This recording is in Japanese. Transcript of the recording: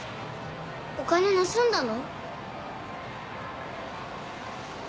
お金盗んだの？